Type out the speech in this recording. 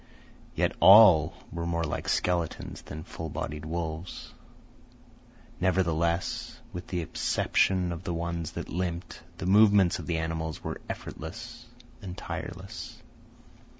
Yet all were more like skeletons than full bodied wolves. Nevertheless, with the exception of the ones that limped, the movements of the animals were effortless and tireless.